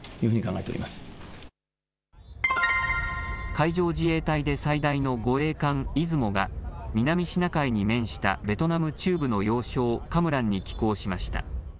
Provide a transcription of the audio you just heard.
海上自衛隊で最大の護衛艦いずもが、南シナ海に面したベトナム中部の要衝カムランに寄港しました。